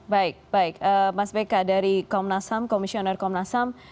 baik baik mas beka dari komnasen komisioner komnasen